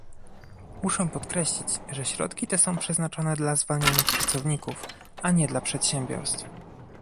Muszę podkreślić, że środki te są przeznaczone dla zwalnianych pracowników, a nie dla przedsiębiorstw